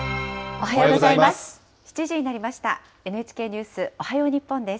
おはようございます。